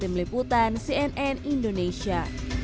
demiliputan cnn indonesia